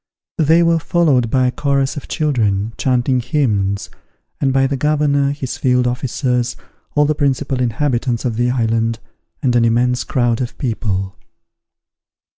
They were followed by a chorus of children, chanting hymns, and by the governor, his field officers, all the principal inhabitants of the island, and an immense crowd of people.